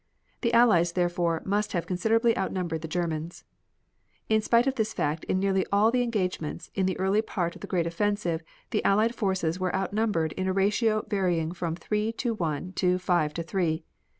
The Allies, therefore, must have considerably outnumbered the Germans. In spite of this fact in nearly all the engagements in the early part of the great offensive the Allied forces were outnumbered in a ratio varying from three to one to five to three.